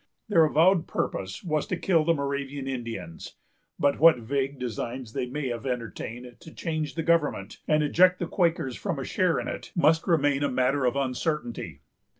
Their avowed purpose was to kill the Moravian Indians; but what vague designs they may have entertained to change the government, and eject the Quakers from a share in it, must remain a matter of uncertainty.